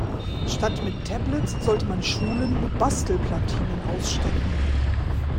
Statt mit Tablets sollte man Schulen mit Bastelplatinen ausstatten.